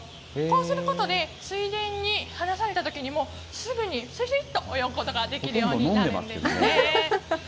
こうすることで水田に放たれたときにもすぐに泳ぐことができるようになるんですね。